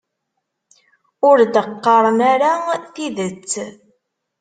Ur d-qqaren ara tidet.